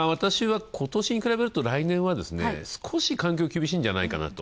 今年に比べると、来年は少し環境、厳しいんじゃないか。